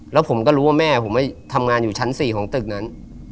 แล้วผมก็รู้ว่าแม่ผมทำงานอยู่ชั้น๔ของตึกนั้น